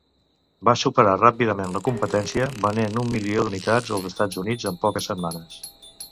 Va superar ràpidament la competència, venent un milió d'unitats als Estats Units en poques setmanes.